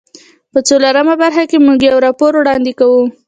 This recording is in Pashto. په څلورمه برخه کې موږ یو راپور وړاندې کوو.